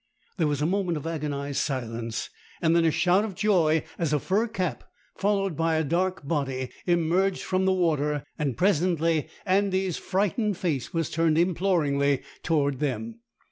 There was a moment of agonized silence, then a shout of joy as a fur cap, followed by a dark body, emerged from the water, and presently Andy's frightened face was turned imploringly toward them.